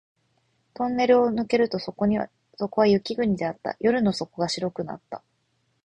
トンネルを抜けるとそこは雪国であった。夜の底が白くなった